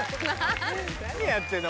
・何やってんだ？